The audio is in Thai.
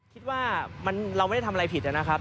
คิดว่าเราไม่ได้ทำอะไรผิดนะครับ